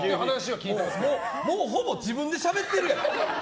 もうほぼ自分でしゃべってるやん！